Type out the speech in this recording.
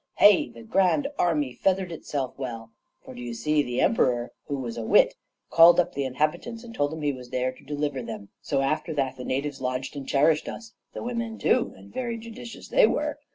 Hey! the grand army feathered itself well; for, d'ye see the Emperor, who was a wit, called up the inhabitants and told them he was there to deliver them. So after that the natives lodged and cherished us; the women too, and very judicious they were.